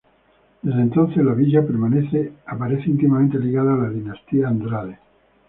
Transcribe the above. Desde entonces la villa aparece íntimamente ligada a la dinastía Andrade.